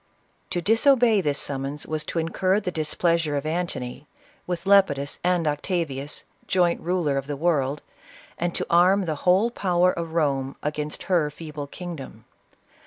To disobey this summons was to incur the displeas ure of Antony, with Lepidus and Octavius, joint ruler of the world, and to arm the whole power of Rome against her feeble kingdom.